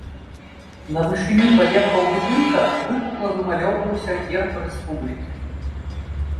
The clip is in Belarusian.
На вышыні паверхаў будынка выпукла вымалёўваўся герб рэспублікі.